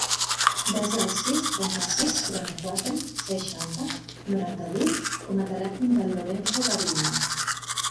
Desa el sis, trenta-sis, quaranta-quatre, seixanta, noranta-vuit com a telèfon del Lorenzo Gaviño.